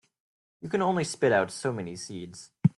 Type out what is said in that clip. You can only spit out so many seeds.